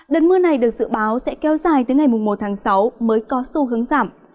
đợt mưa này được dự báo sẽ kéo dài tới ngày một tháng sáu mới có xu hướng giảm